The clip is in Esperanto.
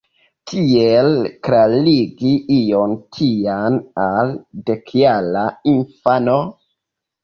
Kiel klarigi ion tian al dekjara infano?